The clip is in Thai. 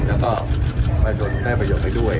แล้วก็มาจนได้ประโยชน์ให้ด้วย